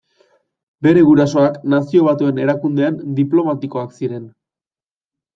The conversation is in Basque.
Bere gurasoak Nazio Batuen Erakundean diplomatikoak ziren.